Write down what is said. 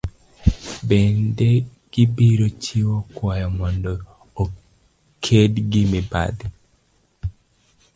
Bende gibiro chiwo kwayo mondo oked gi mibadhi.